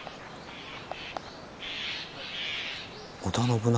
織田信長。